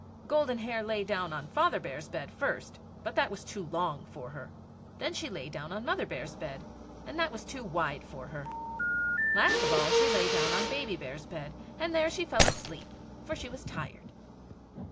Golden Hair lay down on Father Bear's bed first, but that was too long for her; then she lay down on Mother Bear's bed, and that was too wide for her; last of all she lay down on Baby Bear's bed, and there she fell asleep, for she was tired.